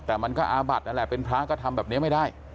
แต่มันก็อาบัดนั่นแหละเป็นพระก็ทำแบบนี้ไม่ได้